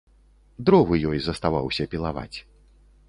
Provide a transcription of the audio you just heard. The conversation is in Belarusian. Дровы ёй заставаўся пілаваць.